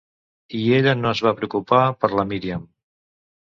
I ella no es va preocupar per la Miriam.